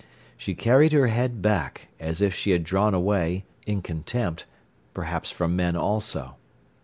She carried her head back, as if she had drawn away in contempt, perhaps from men also.